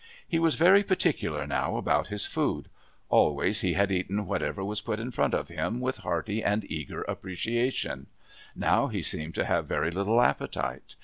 He was very particular now about his food. Always he had eaten whatever was put in front of him with hearty and eager appreciation; now he seemed to have very little appetite.